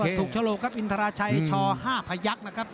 คลิววัฒน์ถุกโชโลกครับอินทราชัยช๕พนะครับ